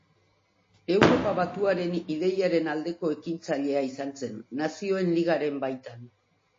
Europa batuaren ideiaren aldeko ekintzailea izan zen, Nazioen Ligaren baitan.